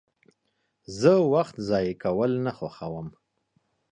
زه وخت ضایع کول نه خوښوم.